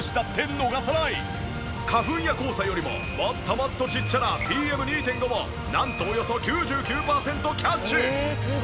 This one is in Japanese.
花粉や黄砂よりももっともっとちっちゃなＰＭ２．５もなんとおよそ９９パーセントキャッチ。